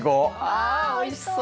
あおいしそう！